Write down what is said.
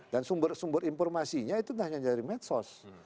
dan sumber sumber informasinya itu hanya dari medsos